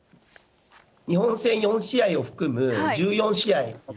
日本戦４試合を含む１４試合を。